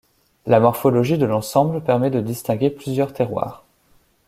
La morphologie de l'ensemble permet de distinguer plusieurs terroirs.